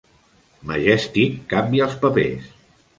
Majestyk canvia els papers.